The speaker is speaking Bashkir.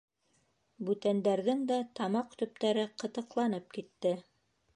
Бүтәндәрҙең дә тамаҡ төптәре ҡытыҡланып китте.